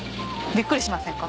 びっくりしませんか？